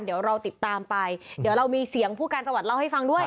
เดี๋ยวเราติดตามไปเดี๋ยวเรามีเสียงผู้การจังหวัดเล่าให้ฟังด้วย